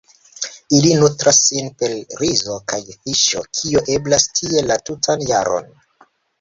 Ili nutras sin per rizo kaj fiŝo, kio eblas tie la tutan jaron.